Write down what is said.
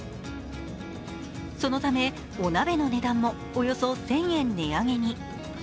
そのため、お鍋の値段もおよそ１０００円値上げに。